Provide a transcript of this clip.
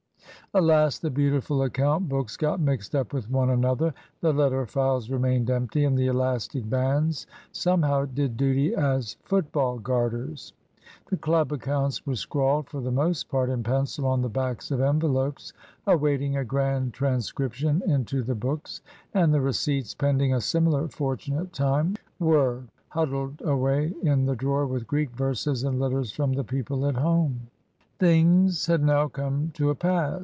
Alas! the beautiful account books got mixed up with one another, the letter files remained empty, and the elastic bands somehow did duty as football garters. The Club accounts were scrawled, for the most part, in pencil on the backs of envelopes, awaiting a grand transcription into the books; and the receipts, pending a similar fortunate time, where huddled away in the drawer with Greek verses and letters from the people at home. Things had now come to a pass.